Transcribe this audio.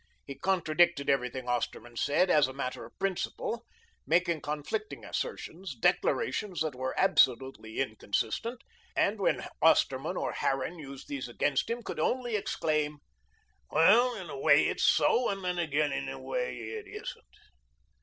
He contradicted everything Osterman said as a matter of principle, made conflicting assertions, declarations that were absolutely inconsistent, and when Osterman or Harran used these against him, could only exclaim: "Well, in a way it's so, and then again in a way it isn't."